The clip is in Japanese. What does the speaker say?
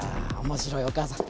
面白いお母さん。